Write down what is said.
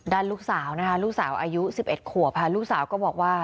ลูกสาวนะคะลูกสาวอายุ๑๑ขวบค่ะลูกสาวก็บอกว่า